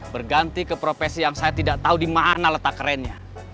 berganti ke profesi yang saya tidak tahu di mana letak kerennya